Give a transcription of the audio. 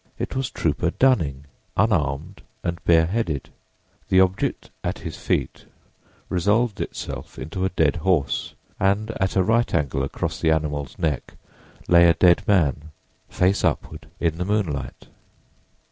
It was Trooper Dunning, unarmed and bareheaded. The object at his feet resolved itself into a dead horse, and at a right angle across the animal's neck lay a dead man, face upward in the moonlight.